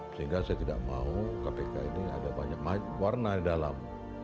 sehingga saya tidak mau kpk ini ada banyak warna di dalam